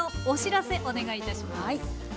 お知らせお願いいたします。